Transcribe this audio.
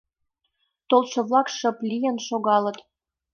Толшо-влак шып лийын шогалыт.